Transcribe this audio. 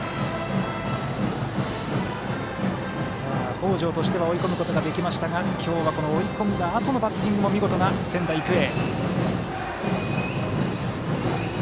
北條としては追い込むことができましたが今日は追い込んだあとのバッティングも見事な仙台育英。